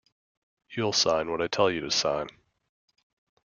You'll sign what I tell you to sign.